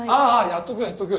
やっとくやっとく。